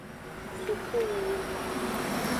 Sukuyiyi nyon.